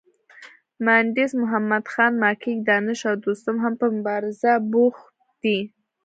مانډس محمدخان، ماکیک، دانش او دوستم هم په مبارزه بوخت دي.